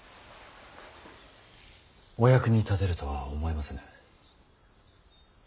お役に立てるとは思えませぬ。